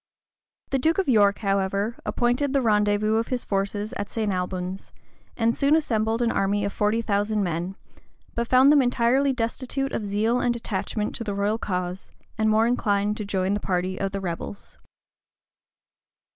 The duke of York, however, appointed the rendezvous of his forces at St. Albans, and soon assembled an army of forty thousand men; but found them entirely destitute of zeal and attachment to the royal cause, and more inclined to join the party of the rebels.